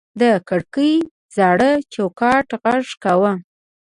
د کړکۍ زاړه چوکاټ غږ کاوه.